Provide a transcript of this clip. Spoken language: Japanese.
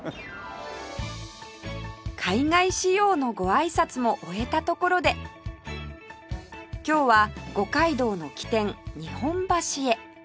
海外仕様のごあいさつも終えたところで今日は五街道の起点日本橋へ